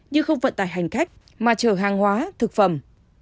nhưng không vận tải hành khách mà chờ hàng hóa thực phẩm